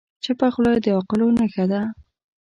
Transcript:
چپه خوله، د عاقلو نښه ده.